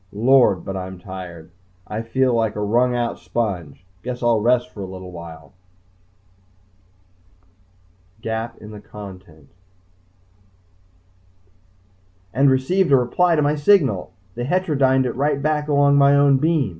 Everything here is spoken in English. Lord! but I'm tired. I feel like a wrung out sponge. Guess I'll rest for a little while ...... and received a reply to my signal! They heterodyned it right back along my own beam.